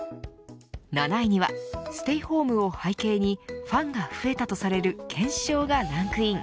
７位には、ステイホームを背景にファンが増えたとされる懸賞がランクイン。